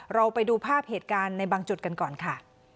เราไปดูภาพเหตุการณ์ในบางจุดกันก่อนค่ะ